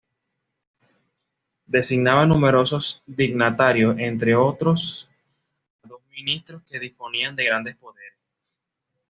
Designaba numerosos dignatarios, entre otros a dos ministros que disponían de grandes poderes.